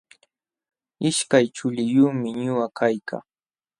Ishkay chuliyumi ñuqa kaykaa.